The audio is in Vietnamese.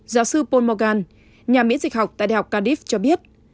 giáo sư paul morgan nhà miễn dịch học tại đại học cardiff cho biết